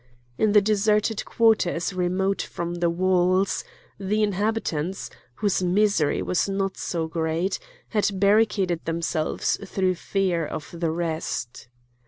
In the deserted quarters remote from the walls, the inhabitants, whose misery was not so great, had barricaded themselves through fear of the rest.